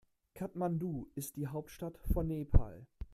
Kathmandu ist die Hauptstadt von Nepal.